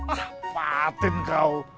ah patin kau